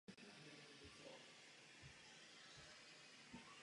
Obyvatelé obce jsou zaměstnání především v zemědělství.